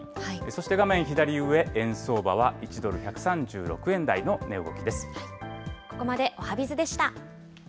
そして画面左上、円相場は１ドル１３６円台の値動きです。